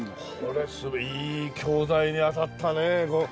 これいい教材に当たったねえ。